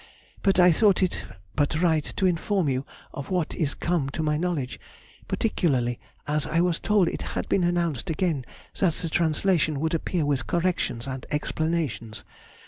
But I thought it but right to inform you of what is come to my knowledge, particularly as I was told it had been announced again that the translation would appear with corrections and explanations.